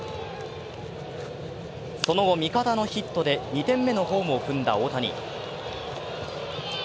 その後、味方のヒットで２点目のホームを踏んだ大谷。